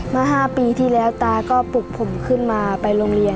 เมื่อ๕ปีที่แล้วตาก็ปลุกผมขึ้นมาไปโรงเรียน